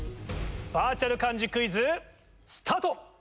「バーチャル漢字クイズ」スタート。